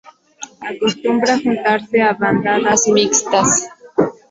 Acostumbra juntarse a bandadas mixtas.